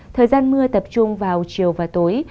thời gian mưa tập trung vào chiều và tối